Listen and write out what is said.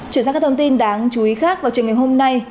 chuyển sang các thông tin đáng chú ý khác vào trường ngày hôm nay